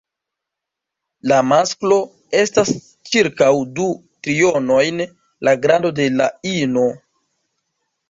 La masklo estas ĉirkaŭ du trionojn la grando de la ino.